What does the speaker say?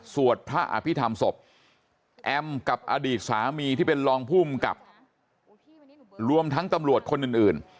สวดพระอภิษฐรรมศพแอมกับอดีตสามีที่เป็นรองภูมิกับรวมทั้งตำรวจคนอื่น